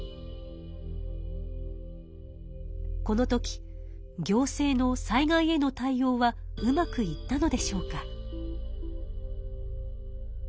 この時行政の災害への対応はうまくいったのでしょうか？